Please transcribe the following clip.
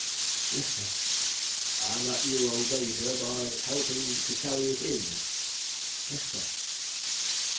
"Yes, sir." "And that you obeyed her by helping to carry it in?" "Yes, sir."